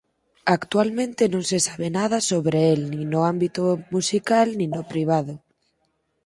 Actualmente non se sabe nada sobre el nin no ámbito musical nin no privado.